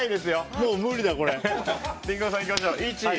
もう無理だ、これ。